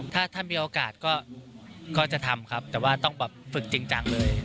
ถ้ามีโอกาสก็จะทำครับแต่ว่าต้องแบบฝึกจริงจังเลย